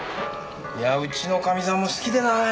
いやあうちのかみさんも好きでなあ。